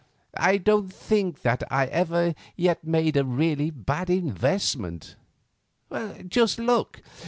I don't think that I ever yet made a really bad investment. Just look.